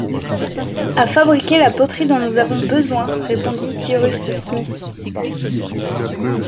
À fabriquer la poterie dont nous avons besoin, répondit Cyrus Smith.